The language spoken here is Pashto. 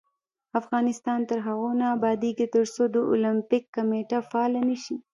افغانستان تر هغو نه ابادیږي، ترڅو د اولمپیک کمیټه فعاله نشي.